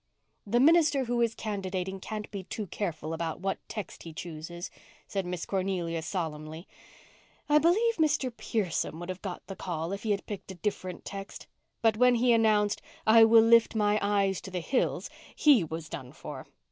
"The minister who is candidating can't be too careful what text he chooses," said Miss Cornelia solemnly. "I believe Mr. Pierson would have got the call if he had picked a different text. But when he announced 'I will lift my eyes to the hills' he was done for.